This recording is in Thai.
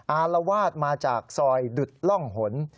อารวาสมาจากซอยดุดร่องหน